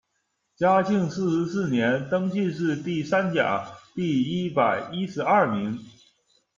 嘉靖四十四年，登进士第三甲第一百一十二名。